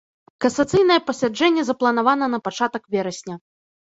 Касацыйнае пасяджэнне запланавана на пачатак верасня.